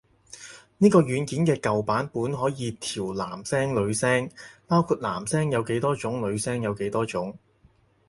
呢個軟件嘅舊版本可以調男聲女聲，包括男聲有幾多種女聲有幾多種